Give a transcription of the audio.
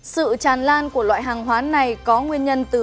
sự tràn lan của loại hàng hóa này có nguyên nhân từ